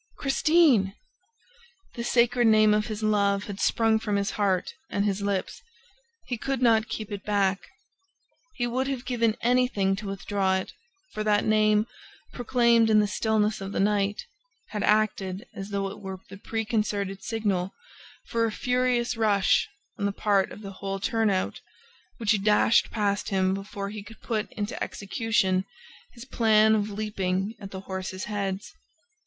"Christine!" The sacred name of his love had sprung from his heart and his lips. He could not keep it back... He would have given anything to withdraw it, for that name, proclaimed in the stillness of the night, had acted as though it were the preconcerted signal for a furious rush on the part of the whole turn out, which dashed past him before he could put into execution his plan of leaping at the horses' heads.